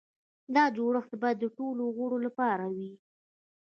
دا جوړښت باید د ټولو غړو لپاره وي.